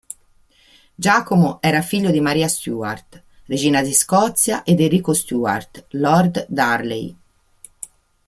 Giacomo era figlio di Maria Stuart, regina di Scozia ed Enrico Stuart, Lord Darnley.